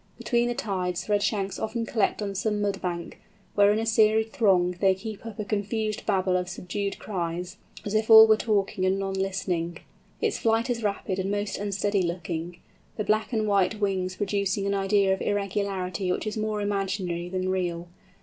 Between the tides Redshanks often collect on some mud bank, where in a serried throng they keep up a confused babel of subdued cries, as if all were talking and none listening. Its flight is rapid and most unsteady looking—the black and white wings producing an idea of irregularity which is more imaginary than real.